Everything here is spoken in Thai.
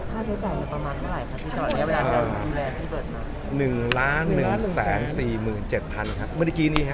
ค่าใช้จ่ายมันประมาณเมื่อไหร่ครับที่ตอนนี้ไปรับรับดูแลพี่เบิร์ดครับ